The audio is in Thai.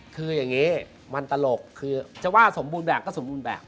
คืออย่างนี้มันตลกคือจะว่าสมบูรณ์แบบก็สมบูรณ์แบบ